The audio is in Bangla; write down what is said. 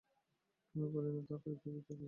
কেন করি না তাহার কয়েকটি যুক্তি দিতেছি।